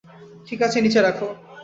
ঠিক আছে, নিচে রাখ।